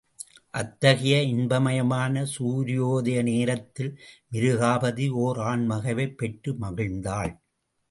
அத்தகைய இன்பமயமான சூரியோதய நேரத்தில் மிருகாபதி ஓர் ஆண் மகவைப் பெற்று மகிழ்ந்தாள்.